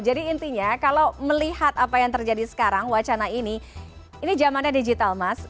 jadi intinya kalau melihat apa yang terjadi sekarang wacana ini ini jamannya digital mas